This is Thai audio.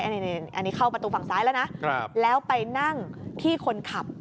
อันนี้เข้าประตูฝั่งซ้ายแล้วนะแล้วไปนั่งที่คนขับ